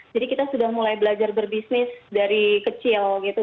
jadi kita sudah mulai belajar berbisnis dari kecil gitu